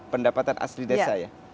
pendapatan asli desa ya